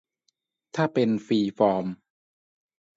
ถ้าเป็นฟรีฟอร์ม